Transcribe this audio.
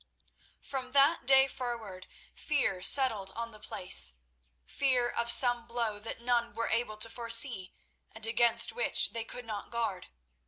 From that day forward fear settled on the place—fear of some blow that none were able to foresee, and against which they could not guard.